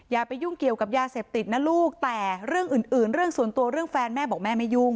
อย่าไปยุ่งเกี่ยวกับยาเสพติดนะลูกแต่เรื่องอื่นเรื่องส่วนตัวเรื่องแฟนแม่บอกแม่ไม่ยุ่ง